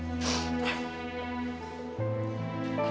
jalan keluarnya untuk menyelamatkan anak kita